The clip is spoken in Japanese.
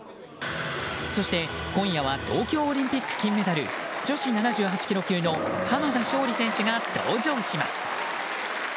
そして今夜は東京オリンピック金メダル女子７８ｋｇ級の濱田尚里選手が登場します。